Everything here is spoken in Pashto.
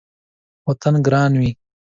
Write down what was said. وطن ګران وي